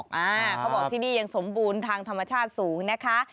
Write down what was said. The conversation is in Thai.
เขาบอกที่นี่ยังสมบูรณ์ทางธรรมชาติสูงนะคะ